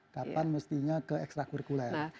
kapan mestinya ke ekstra kurikuler